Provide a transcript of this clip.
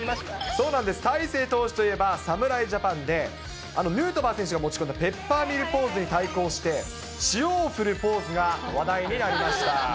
そうなんです、大勢投手といえば、侍ジャパンでヌートバー選手が持ち込むペッパーミルポーズに対抗して、塩を振るポーズが話題になりました。